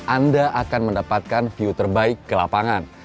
anda akan mendapatkan view terbaik ke lapangan